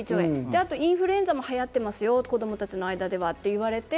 あとインフルエンザも流行ってますよ、子供たちの間ではと言われて。